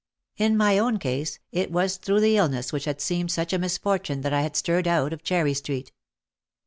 In my own case it was through the illness which had seemed such a misfortune that I had stirred out of Cherry Street.